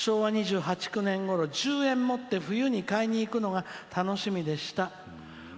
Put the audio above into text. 昭和２８２９年ごろ１０円を持って冬に買いに行くのが楽しみでした」。